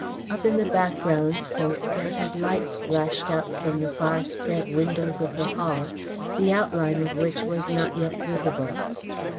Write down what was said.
Up in the background some scattered lights flashed out from the far spread windows of the Hall, the outline of which was not yet visible.